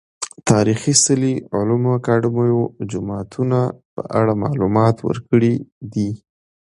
تاريخي څلي، علومو اکادميو، جوماتونه په اړه معلومات ورکړي دي